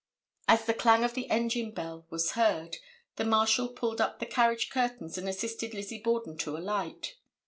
As the clang of the engine bell was heard, the Marshal pulled up the carriage curtains and assisted Lizzie Borden to alight.